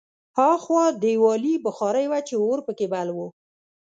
هاخوا دېوالي بخارۍ وه چې اور پکې بل و